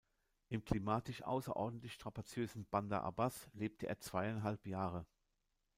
Im klimatisch außerordentlich strapaziösen Bandar Abbas lebte er zweieinhalb Jahre.